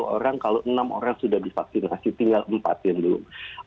sepuluh orang kalau enam orang sudah divaksinasi tinggal empat yang belum